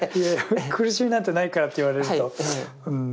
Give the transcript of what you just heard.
苦しみなんてないからって言われるとうん。